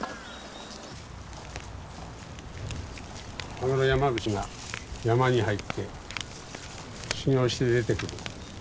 羽黒山伏が山に入って修行して出てくる。